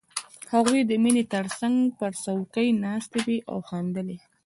هغوی د مينې تر څنګ پر څوکۍ ناستې وې او خندلې